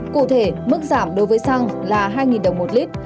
cụ thể mức giảm đối với xăng là hai đồng một lít